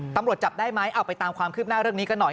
ตำรวจจับได้ไหมเอาไปตามความคืบหน้าเรื่องนี้กันหน่อย